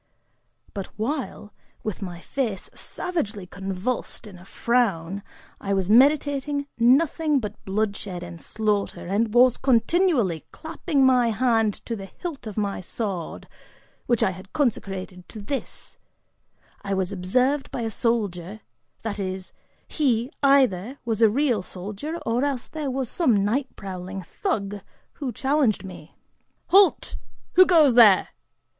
But while, with my face savagely convulsed in a frown, I was meditating nothing but bloodshed and slaughter, and was continually clapping my hand to the hilt of my sword, which I had consecrated to this, I was observed by a soldier, that is, he either was a real soldier, or else he was some night prowling thug, who challenged me. "Halt! Who goes there?